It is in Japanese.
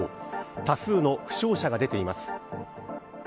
多数の負傷者が出ています。